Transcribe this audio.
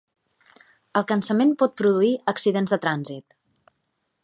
El cansament pot produir accidents de trànsit